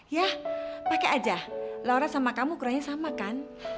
ya pakai aja laura sama kamu ukurannya sama kan